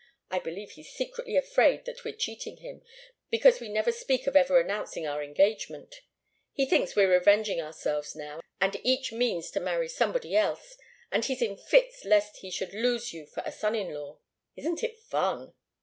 I believe he's secretly afraid that we're cheating him, because we never speak of ever announcing our engagement. He thinks we're revenging ourselves now, and each means to marry somebody else, and he's in fits lest he should lose you for a son in law. Isn't it fun?"